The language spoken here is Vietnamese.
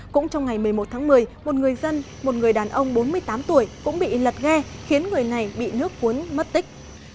cũng trong ngày một mươi một tháng một mươi một người dân một người đàn ông bốn mươi tám tuổi cũng bị lật ghe khiến người này bị nước cuốn mất tích